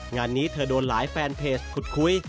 งานนี้เธอโดนหลายแฟนเพจขุดคุย